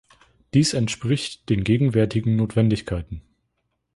Dies entspricht den gegenwärtigen Notwendigkeiten.